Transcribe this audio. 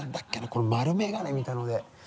この丸眼鏡みたいなので。